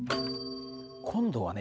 今度はね